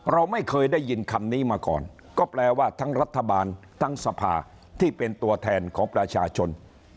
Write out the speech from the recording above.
เราไม่เคยได้ยินคำนี้มาก่อนก็แปลว่าทั้งรัฐบาลทั้งสภาที่เป็นตัวแทนของประชาชน